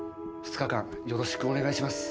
２日間よろしくお願いします。